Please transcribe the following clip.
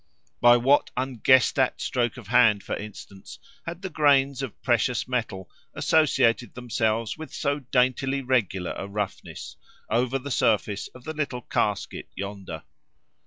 —By what unguessed at stroke of hand, for instance, had the grains of precious metal associated themselves with so daintily regular a roughness, over the surface of the little casket yonder?